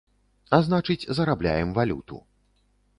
А значыць, зарабляем валюту.